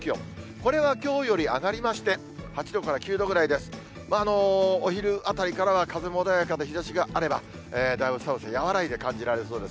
これはきょうより上がりまして、８度から９度ぐらいです。